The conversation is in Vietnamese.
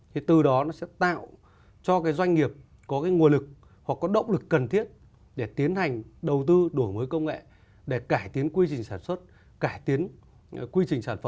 thì từ đó nó sẽ tạo cho cái doanh nghiệp có cái nguồn lực hoặc có động lực cần thiết để tiến hành đầu tư đổi mới công nghệ để cải tiến quy trình sản xuất cải tiến quy trình sản phẩm